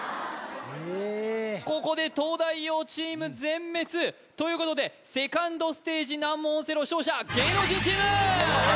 えっここで東大王チーム全滅ということでセカンドステージ難問オセロ勝者芸能人チーム！